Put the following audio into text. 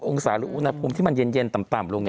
องศาหรืออุณหภูมิที่มันเย็นต่ำลง